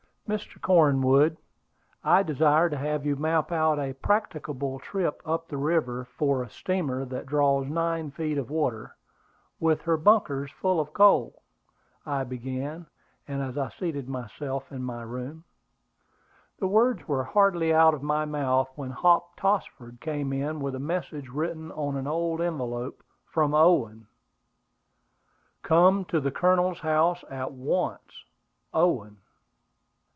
"Mr. Cornwood, I desire to have you map out a practicable trip up the river for a steamer that draws nine feet of water, with her bunkers full of coal," I began, as I seated myself in my room. The words were hardly out of my mouth when Hop Tossford came in with a message written on an old envelope, from Owen. "Come to the Colonel's house at once. OWEN."